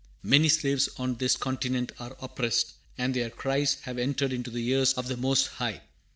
Many slaves on this continent are oppressed, and their cries have entered into the ears of the Most High.